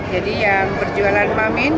jadi yang berjualan mamin